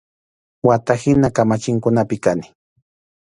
Wata hina kamachinkunapi kani.